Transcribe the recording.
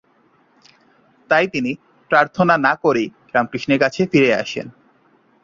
তাই তিনি প্রার্থনা না করেই রামকৃষ্ণের কাছে ফিরে আসেন।